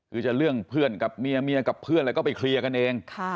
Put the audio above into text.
คือจะเรื่องเพื่อนกับเมียเมียกับเพื่อนแล้วก็ไปเคลียร์กันเอง